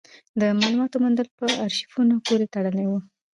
د مالوماتو موندل په ارشیفونو پورې تړلي وو.